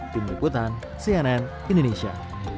tim liputan cnn indonesia